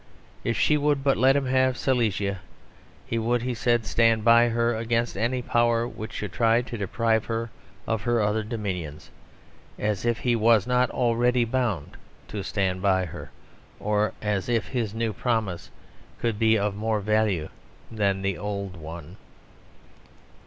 "If she would but let him have Silesia, he would, he said, stand by her against any power which should try to deprive her of her other dominions, as if he was not already bound to stand by her, or as if his new promise could be of more value than the old one."